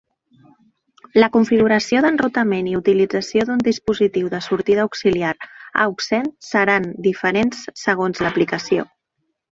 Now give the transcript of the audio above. La configuració d'enrutament i utilització d'un dispositiu de sortida auxiliar "aux-send" seran diferents segons l'aplicació.